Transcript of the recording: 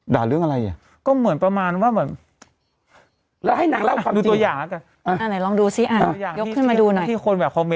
ตัวนี้ในโทเชียลคือ